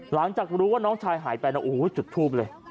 หลังจากรู้ว่าน้องชายหายไปนะโอ้โหจุดทูบเลย